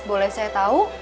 boleh saya tahu